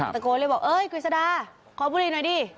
ตะโกนเลยบอกเอ้ยกฤษดาขอบุหรี่หน่อยดิ